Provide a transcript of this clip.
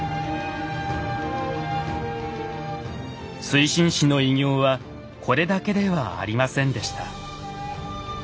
水心子の偉業はこれだけではありませんでした。